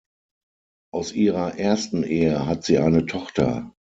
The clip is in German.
Aus ihrer ersten Ehe hat sie eine Tochter.